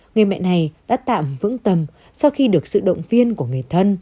người mẹ này đã tạm vững tầm sau khi được sự động viên của người thân